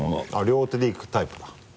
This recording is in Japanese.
両手でいくタイプか。